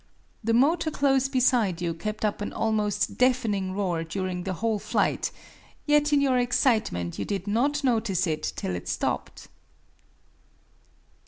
The motor close beside you kept up an almost deafening roar during the whole flight, yet in your excitement you did not notice it till it stopped!